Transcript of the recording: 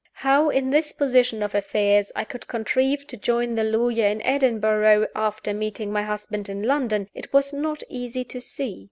How, in this position of affairs, I could contrive to join the lawyer in Edinburgh, after meeting my husband in London, it was not easy to see.